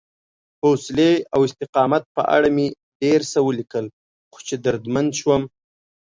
حوصلې او استقامت په اړه مې ډېر څه ولیکل، خو چې دردمن شوم